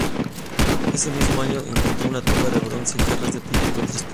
Ese mismo año encontró una tumba de bronce, jarras de pico y otras piezas.